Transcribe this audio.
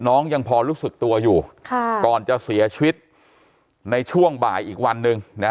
ยังพอรู้สึกตัวอยู่ก่อนจะเสียชีวิตในช่วงบ่ายอีกวันหนึ่งนะ